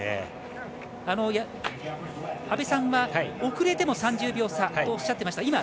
阿部さんは、遅れても３０秒差とおっしゃっていました。